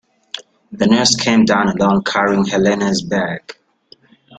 The nurse came down alone carrying Helene's bag.